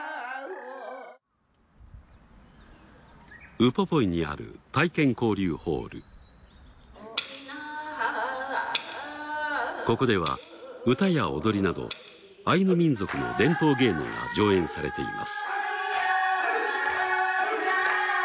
ウポポイにあるここでは歌や踊りなどアイヌ民族の伝統芸能が上演されています。